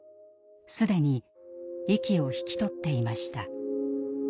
既に息を引き取っていました。